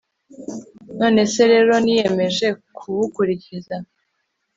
none rero niyemeje kubukurikiza